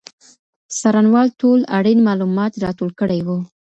څارنوال ټول اړین معلومات راټول کړي وو.